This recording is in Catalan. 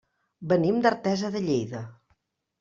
Venim d'Artesa de Lleida.